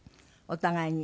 お互いに？